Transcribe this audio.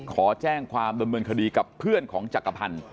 ขอแจ้งความดำเนินคดีกับเพื่อนของจักรพันธ์